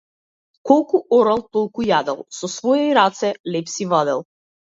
Колку орал толку јадел, со свои раце леб си вадел.